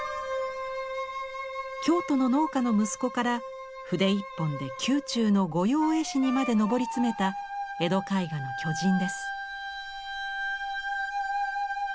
京都の農家の息子から筆一本で宮中の御用絵師にまで上り詰めた江戸絵画の巨人です。